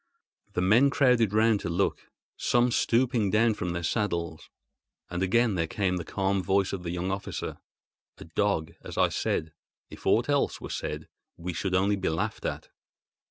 The men crowded round to look, some stooping down from their saddles; and again there came the calm voice of the young officer: "A dog, as I said. If aught else were said we should only be laughed at."